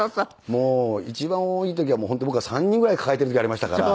もう一番多い時は本当僕は３人ぐらい抱えている時ありましたから。